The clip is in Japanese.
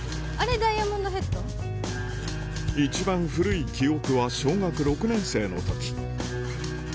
あれ、一番古い記憶は小学６年生のとき。